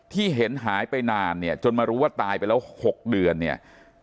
ที่เห็นหายไปนานเนี่ยจนมารู้ว่าตายไปแล้ว๖เดือนเนี่ย